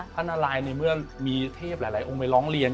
นาลัยในเมื่อมีเทพหลายองค์ไปร้องเรียน